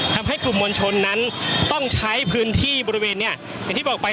ทำให้กรุงมนชนนั้นต้องใช้ที่บริเวณนี้